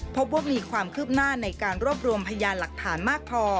พบว่ามีความคืบหน้าในการรวบรวมพยานหลักฐานมากพอ